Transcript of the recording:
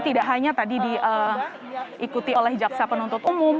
tidak hanya tadi diikuti oleh jaksa penuntut umum